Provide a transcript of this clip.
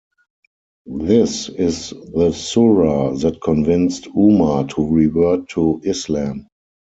This is the Sura that convinced Umar to revert to Islam.